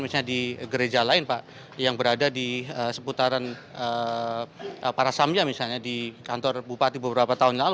misalnya di gereja lain pak yang berada di seputaran para samja misalnya di kantor bupati beberapa tahun lalu